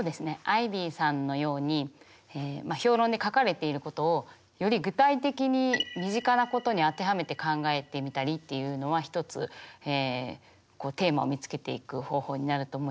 アイビーさんのように評論に書かれていることをより具体的に身近なことに当てはめて考えてみたりっていうのは一つテーマを見つけていく方法になると思います。